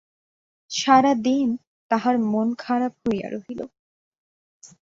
সারাদিন তাহার মন খারাপ হইয়া রহিল।